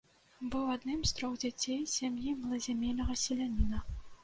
Быў адным з трох дзяцей з сям'і малазямельнага селяніна.